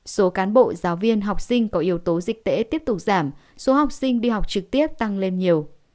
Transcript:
số cán bộ giáo viên học sinh có yếu tố dịch tễ tiếp tục giảm số học sinh đi học trực tiếp tăng lên nhiều